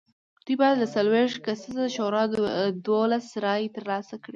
دوی باید له څلوېښت کسیزې شورا دولس رایې ترلاسه کړې وای